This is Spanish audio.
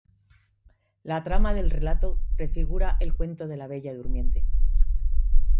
La trama del relato prefigura el cuento de la "Bella durmiente".